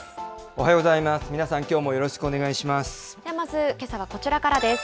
おはようございます。